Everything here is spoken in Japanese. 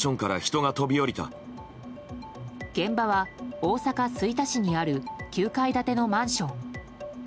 現場は大阪・吹田市にある９階建てのマンション。